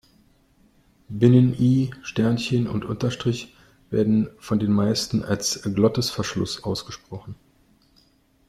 Binnen-I, Sternchen und Unterstrich werden von den meisten als Glottisverschluss ausgesprochen.